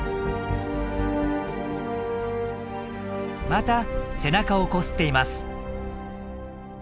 また背中をこすっています。